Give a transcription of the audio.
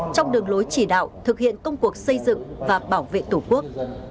trong đường lối chỉ đạo thực hiện công cuộc xây dựng và bảo vệ tổ quốc